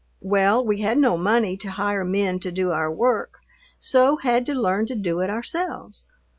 Well, we had no money to hire men to do our work, so had to learn to do it ourselves.